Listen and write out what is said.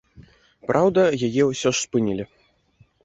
Праўда, яе ўсё ж спынілі.